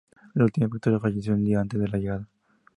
La última víctima falleció el día antes de la llegada.